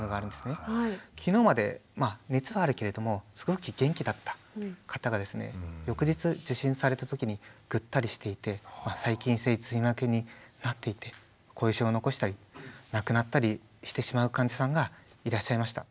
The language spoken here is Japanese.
昨日までまあ熱はあるけれどもすごく元気だった方がですね翌日受診された時にぐったりしていてまあ細菌性髄膜炎になっていて後遺症を残したり亡くなったりしてしまう患者さんがいらっしゃいました。